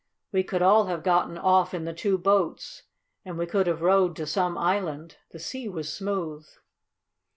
"We could all have gotten off in the two boats, and we could have rowed to some island. The sea was smooth."